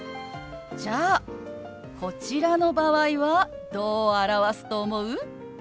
じゃあこちらの場合はどう表すと思う？